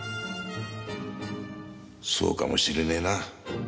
そうかもしれねえな。